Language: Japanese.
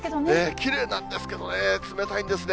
きれいなんですけどね、冷たいんですね。